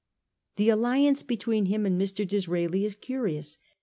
The alliance between him and Mr. Disraeli is curious.